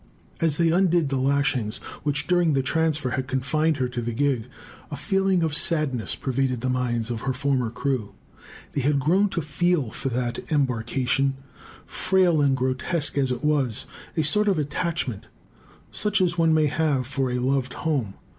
As they undid the lashings, which during the transfer had confined her to the gig, a feeling of sadness pervaded the minds of her former crew. They had grown to feel for that embarkation, frail and grotesque as it was, a sort of attachment; such as one may have for a loved home.